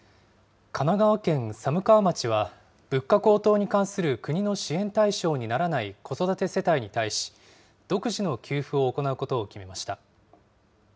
神奈川県寒川町は、物価高騰に関する国の支援対象にならない子育て世帯に対し、独自の給付を行うことを決めました。